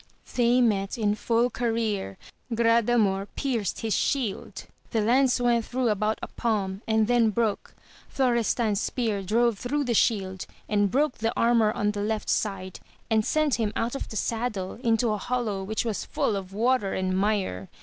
They met in full career, Gradamor pierced his shield, the lance went through AMADIS OF GAUL. 7 about a palm and then broke, Florestan's spear drove tlirough the shield, and broke the armour op the left side, and sent him out of the saddle into a hollow which was full of water and mire.